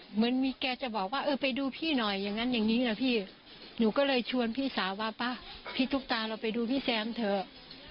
หนูก็เลยชวนพี่สาวว่าพี่ตุ๊กตาเราไปดูพี่แซมเถอะ